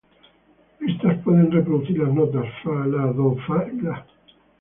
Estas pueden reproducir las notas fa, la, do, fa y la.